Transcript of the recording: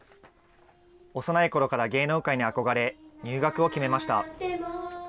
幼いころから芸能界に憧れ、入学を決めました。